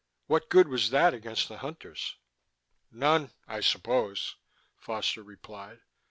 What good was that against the Hunters?" "None, I suppose," Foster replied.